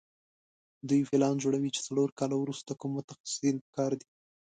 دوی پلان جوړوي چې څلور کاله وروسته کوم متخصصین په کار دي.